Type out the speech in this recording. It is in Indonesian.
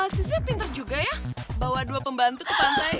sisnya pinter juga ya bawa dua pembantu ke pantai